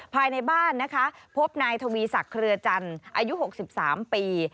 ภายในบ้านนะคะพบนายทวีศักดิ์เครือจันทร์อายุ๖๓ปี